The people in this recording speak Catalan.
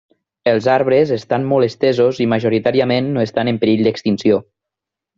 Els arbres estan molt estesos i majoritàriament no estan en perill d'extinció.